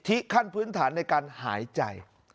ขั้นพื้นฐานในการหายใจ